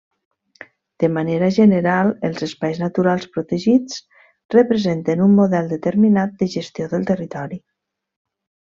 De manera general, els espais naturals protegits representen un model determinat de gestió del territori.